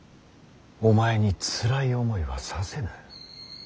お前につらい思いはさせぬ。